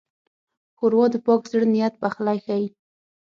ښوروا د پاک زړه نیت پخلی ښيي.